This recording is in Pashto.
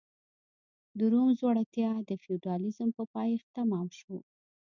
د روم ځوړتیا د فیوډالېزم په پایښت تمام شو